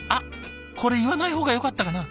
これ言わない方がよかったかな。